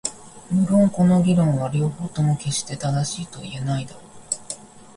無論この議論は両方とも決して正しいとは言えないだろう。